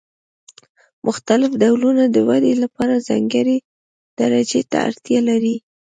مختلف ډولونه د ودې لپاره ځانګړې درجې ته اړتیا لري.